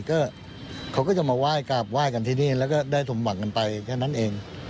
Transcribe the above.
ก็เขาก็จะมาไหว้กลับไหว้กันที่นี่แล้วก็ได้สมหวังกันไปแค่นั้นเอง